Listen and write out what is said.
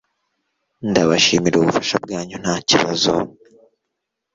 Ndabashimira ubufasha bwanyu Nta kibazo